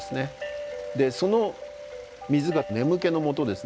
その水が眠気のもとですね。